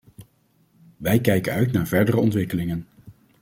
Wij kijken uit naar verdere ontwikkelingen.